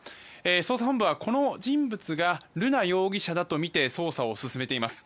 捜査本部はこの人物が瑠奈容疑者だとみて捜査を進めています。